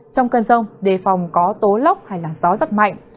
trong cơn rông đề phòng có tố lốc hay gió rất mạnh